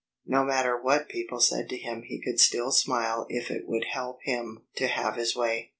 No matter what people said to him he could still smile if it would help him to have his way.